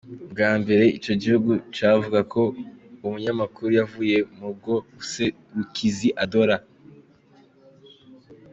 Mugisha yarangije muri kaminuza nkuru y’u Rwanda mu ishami ry’itangazamakuru.